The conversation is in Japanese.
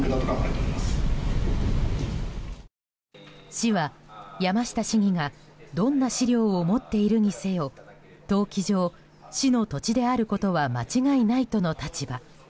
市は山下市議がどんな資料を持っているにせよ登記上、市の土地であることは間違いないとの立場。